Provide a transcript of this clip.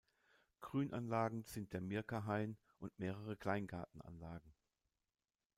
Grünanlagen sind der Mirker Hain und mehrere Kleingartenanlagen.